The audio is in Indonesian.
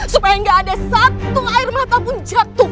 supaya nggak ada satu air mata pun jatuh